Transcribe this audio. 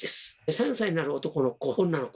３歳になる男の子女の子にですね